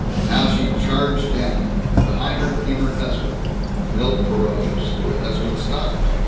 Now she charged down. Behind her came her husband. Milt arose. The husband stopped.